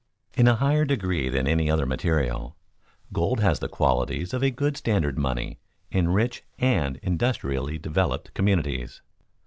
In a higher degree than any other material, gold has the qualities of a good standard money in rich and industrially developed communities.